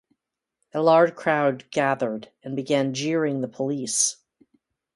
A large crowd gathered and began jeering the police.